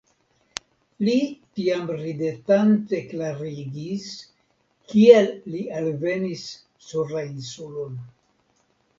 Li tiam ridetante klarigis, kiel li alvenis sur la Insulon.